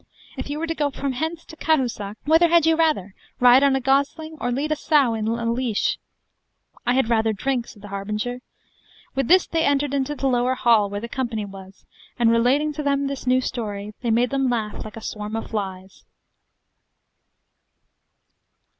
If you were to go from hence to Cahusac, whether had you rather, ride on a gosling or lead a sow in a leash? I had rather drink, said the harbinger. With this they entered into the lower hall, where the company was, and relating to them this new story, they made them laugh like a swarm of flies.